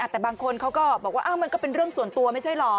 แต่บางคนเขาก็บอกว่ามันก็เป็นเรื่องส่วนตัวไม่ใช่เหรอ